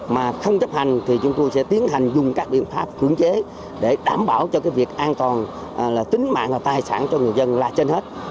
mà không chấp hành thì chúng tôi sẽ tiến hành dùng các biện pháp cưỡng chế để đảm bảo cho cái việc an toàn là tính mạng và tài sản cho người dân là trên hết